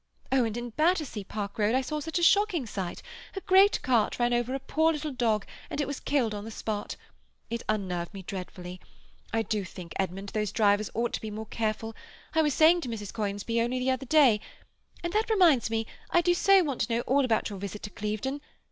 Oh, and in Battersea Park Road I saw such a shocking sight; a great cart ran over a poor little dog, and it was killed on the spot. It unnerved me dreadfully. I do think, Edmund, those drivers ought to be more careful. I was saying to Mrs. Conisbee only the other day—and that reminds me, I do so want to know all about your visit to Clevedon.